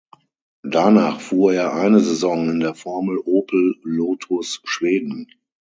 Danach fuhr er eine Saison in der Formel Opel Lotus Schweden.